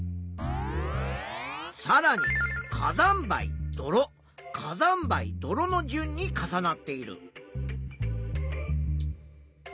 さらに火山灰泥火山灰泥の順に重なっている。